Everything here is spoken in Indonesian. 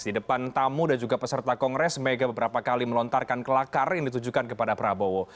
di depan tamu dan juga peserta kongres mega beberapa kali melontarkan kelakar yang ditujukan kepada prabowo